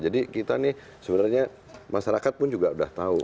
jadi kita nih sebenarnya masyarakat pun juga udah tahu